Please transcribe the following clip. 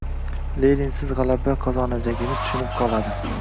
Leninsiz g‘alaba qozonajagini tushunib qoladi.